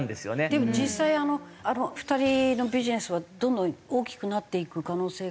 でも実際あの２人のビジネスはどんどん大きくなっていく可能性がありますよね。